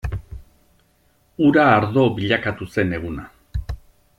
Ura ardo bilakatu zen eguna.